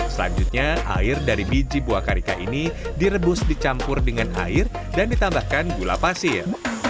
selanjutnya air dari biji buah karika ini direbus dicampur dengan air dan ditambahkan gula pasir